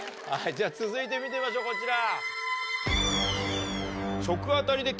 続いて見てみましょうこちら。